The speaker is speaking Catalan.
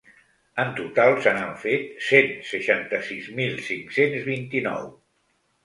En total, se n'han fet cent seixanta-sis mil cinc-cents vint-i-nou.